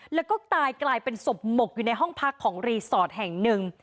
แล้วก็ตายกลายเป็นศพหมกอยู่ในห้องพักของรีสอร์ทแห่งหนึ่ง